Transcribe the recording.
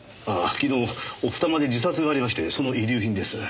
昨日奥多摩で自殺がありましてその遺留品です。